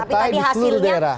tapi tadi hasilnya